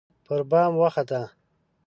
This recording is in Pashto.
پربام وخته